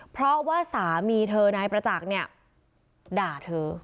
เพราะว่าสามีเธอนายประจักษ์เนี่ยด่าเธอ